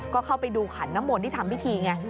ก็เข้าไปดูขันน้ำมนที่ทำพิธีไง